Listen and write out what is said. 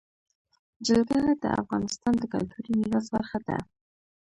جلګه د افغانستان د کلتوري میراث برخه ده.